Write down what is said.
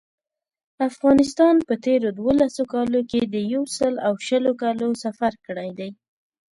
افغانستان په تېرو دولسو کالو کې د یو سل او شلو کالو سفر کړی.